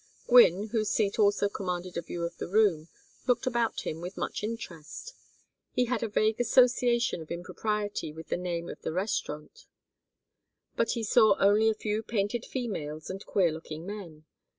Gwynne, whose seat also commanded a view of the room, looked about him with much interest. He had a vague association of impropriety with the name of the restaurant, but he saw only a few painted females and queer looking men.